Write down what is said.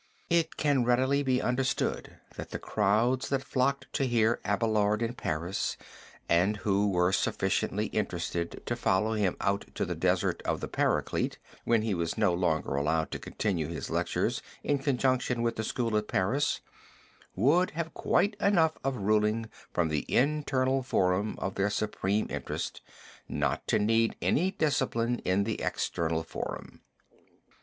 It can readily be understood that the crowds that flocked to hear Abelard in Paris, and who were sufficiently interested to follow him out to the Desert of the Paraclete when he was no longer allowed to continue his lectures in connection with the school at Paris, would have quite enough of ruling from the internal forum of their supreme interest, not to need any discipline in the external forum.